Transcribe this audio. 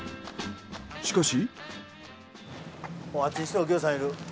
しかし。